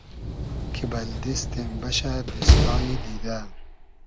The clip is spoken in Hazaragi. کی بئل دیستیم بئشۂ دیستای دیدۂ